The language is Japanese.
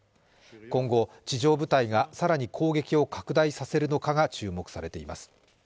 今後、地上部隊が更に攻撃を拡大させるのかが注目されています